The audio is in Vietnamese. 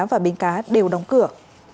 và bến cá đều đóng cửa